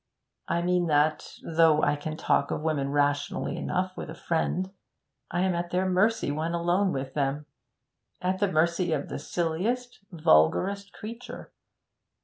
I mean that, though I can talk of women rationally enough with a friend, I am at their mercy when alone with them at the mercy of the silliest, vulgarest creature.